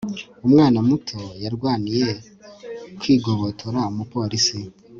umwana muto yarwaniye kwigobotora umupolisi